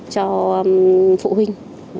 cho phụ huynh